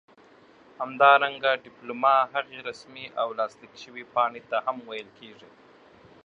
همدارنګه ډيپلوما هغې رسمي او لاسليک شوي پاڼې ته هم ويل کيږي